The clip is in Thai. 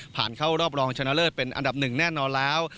ผ่านเข้ารอบรอบรองชนะเลิศเป็นอันดับ๑แน่นอนแล้ว